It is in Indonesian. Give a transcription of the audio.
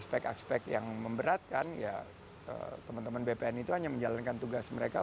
aspek aspek yang memberatkan ya teman teman bpn itu hanya menjalankan tugas mereka